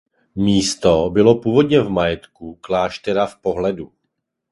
Místo bylo původně v majetku kláštera v Pohledu.